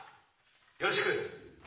よろしく。